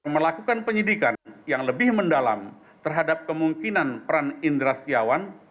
melakukan penyidikan yang lebih mendalam terhadap kemungkinan peran indra setiawan